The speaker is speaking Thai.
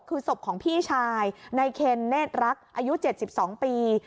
คือศพของพี่ชายในเคนเนธรักอายุ๗๒ปี